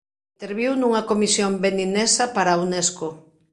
Interviu nunha comisión beninesa para a Unesco.